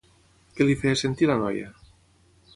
Què li feia sentir la noia?